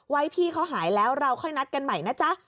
พี่เขาหายแล้วเราค่อยนัดกันใหม่นะจ๊ะ